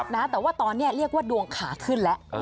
แต่ว่าตอนนี้เรียกว่าดวงขาขึ้นแล้ว